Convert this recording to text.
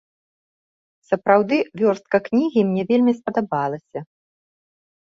Сапраўды, вёрстка кнігі мне вельмі спадабалася.